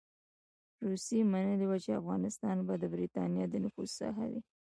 روسيې منلې وه چې افغانستان به د برټانیې د نفوذ ساحه وي.